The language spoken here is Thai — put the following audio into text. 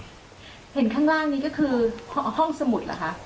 เห็นข้างล่างนี้ก็คือห้องสมุดเหรอคะ